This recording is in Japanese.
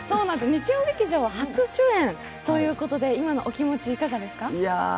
日曜劇場、初主演ということで今のお気持ちいかがですか？